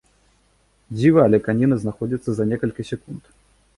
Дзіва, але каніна знаходзіцца за некалькі секунд.